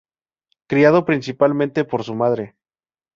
Criado, principalmente, por su madre.